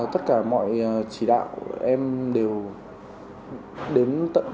tất cả mọi chỉ đạo em đều đến tận